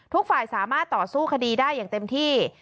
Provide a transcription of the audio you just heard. ทุกฝ่ายสามารถต่อสู้คดีได้อย่างเต็มที่